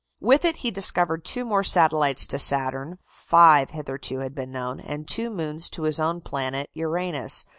] With it he discovered two more satellites to Saturn (five hitherto had been known), and two moons to his own planet Uranus.